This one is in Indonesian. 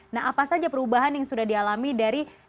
nah apa saja perubahan yang sudah dialami dari